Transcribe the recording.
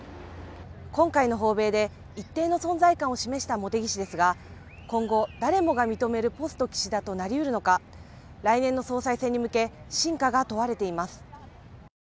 今回の訪米で一定の存在感を示した茂木氏ですが今後誰もが認めるポスト岸田となりうるのか来年の総裁選に向け、真価が問われています。